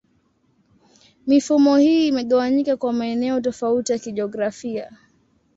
Mifumo hii imegawanyika kwa maeneo tofauti ya kijiografia.